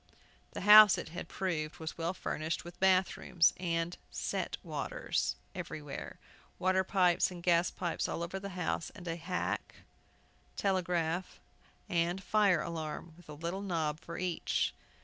The house, it had proved, was well furnished with bath rooms, and "set waters" everywhere. Water pipes and gas pipes all over the house; and a hack , telegraph , and fire alarm, with a little knob for each.